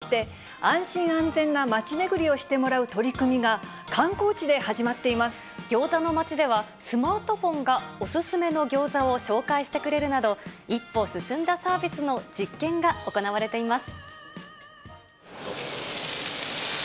今、スマートフォンを利用して、安心・安全な街巡りをしてもらう取り組みが、観光地で始まっていギョーザの街では、スマートフォンがお勧めのギョーザを紹介してくれるなど、一歩進んだサービスの実験が行われています。